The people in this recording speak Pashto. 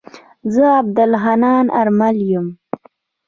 زه عبدالحنان آرمل يم.